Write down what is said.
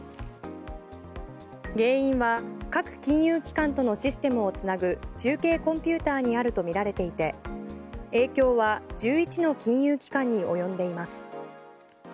原因は各金融機関とのシステムを繋ぐ中継コンピューターにあるとみられていて影響は１１の金融機関に及んでいます。